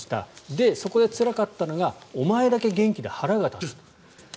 で、そこでつらかったのがお前だけ元気で腹が立つと。